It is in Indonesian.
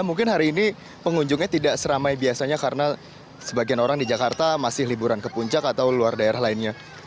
mungkin hari ini pengunjungnya tidak seramai biasanya karena sebagian orang di jakarta masih liburan ke puncak atau luar daerah lainnya